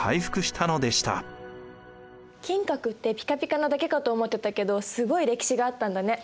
金閣ってピカピカなだけかと思ってたけどすごい歴史があったんだね。